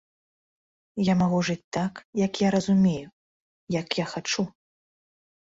Я магу жыць так, як я разумею, як я хачу.